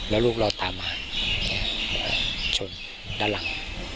แล้วลูกเราตามมาชนด้านหลัง